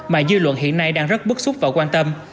mà dư luận hiện nay đang rất bức xúc và quan tâm